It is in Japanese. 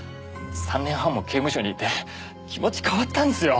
３年半も刑務所にいて気持ち変わったんですよ。